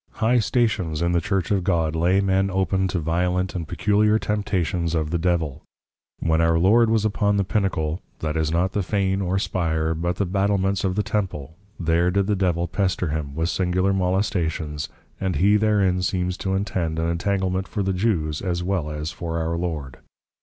High Stations in the Church of God, lay men open to violent and peculiar Temptations of the Devil. When our Lord was upon the Pinacle, that is not the Fane, or Spire, but the Battlements of the Temple, there did the Devil pester him, with singular Molestations, and he therein seems to intend an Entanglement for the Jews, as well as for our Lord.